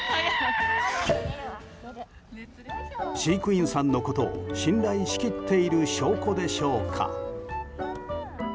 飼育員さんのことを信頼しきっている証拠でしょうか。